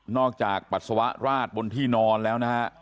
จากปัสสาวะราดบนที่นอนแล้วนะฮะ